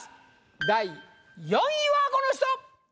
第４位はこの人！